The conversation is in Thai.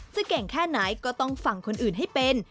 เก่งแค่ไหนก็ต้องฟังคนอื่นให้เป็น